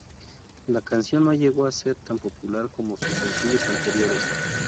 La canción no llegó a ser tan popular como sus sencillos anteriores.